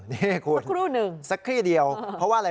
นี่คุณครูหนึ่งสักครู่เดียวเพราะว่าอะไร